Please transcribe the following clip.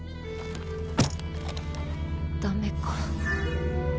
ダメか。